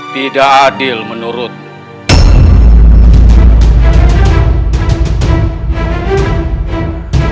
tidak adil menurutmu